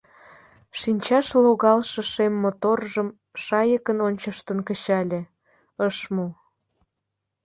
Шинчаш логалше шем моторжым шайыкын ончыштын кычале — ыш му.